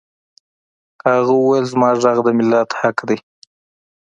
هغه وویل زما غږ د ملت حق دی